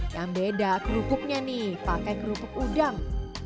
yang beda kerupuknya nih pakai kerupuk udang